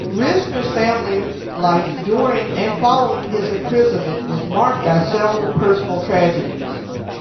Risner's family life during and following his imprisonment was marked by several personal tragedies.